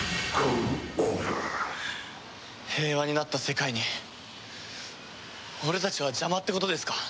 平和になった世界に俺たちは邪魔ってことですか？